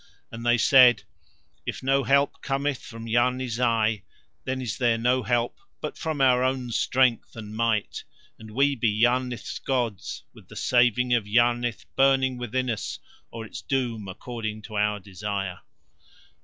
And they said: "If no help cometh from Yarni Zai then is there no help but from our own strength and might, and we be Yarnith's gods with the saving of Yarnith burning within us or its doom according to our desire."